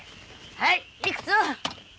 はいいくつ？